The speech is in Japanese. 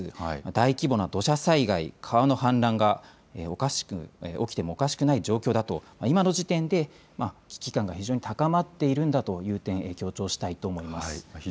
大規模な土砂災害、川の氾濫が起きてもおかしくない状況だと、今の時点で危機感が非常に高まっているんだという点を強調したいと思います。